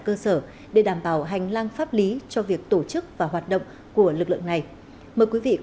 cơ sở để đảm bảo hành lang pháp lý cho việc tổ chức và hoạt động của lực lượng này mời quý vị cùng